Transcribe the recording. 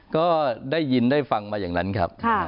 ก็ได้ยินได้ฟังมาอย่างนั้นครับ